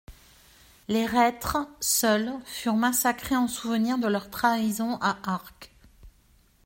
Les reîtres, seuls, furent massacrés en souvenir de leur trahison à Arques.